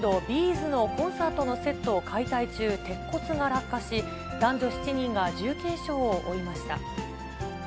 ’ｚのコンサートのセットを解体中、鉄骨が落下し、男女７人が重軽傷を負いました。